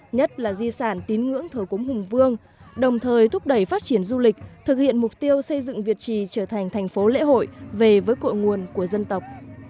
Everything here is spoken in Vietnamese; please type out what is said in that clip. nhất là di sản tín ngưỡng thờ cúng hùng vương đồng thời thúc đẩy phát triển du lịch thực hiện mục tiêu xây dựng việt trì trở thành thành phố lễ hội về với cội nguồn của dân tộc